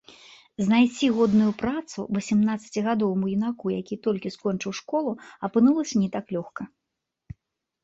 Знайсці годную працу васямнаццацігадоваму юнаку, які толькі скончыў школу, апынулася не так лёгка.